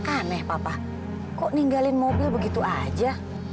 aneh papa kok ninggalin mobil begitu aja